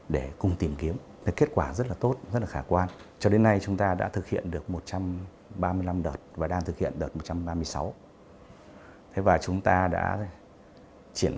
để cùng nhau đảm bảo cho môi trường hòa bình ổn định và phát triển